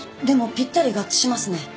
でもぴったり合致しますね。